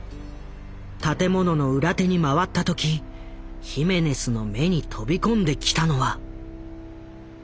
建物の裏手に回った時ヒメネスの目に飛び込んできたのは。